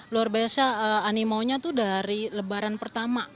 luar biasa animonya tuh dari lebaran pertama